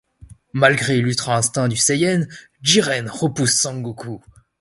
Malgré l'Ultra Instinct du Saiyan, Jiren repousse Son Goku.